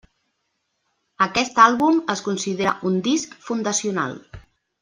Aquest àlbum es considera un disc fundacional.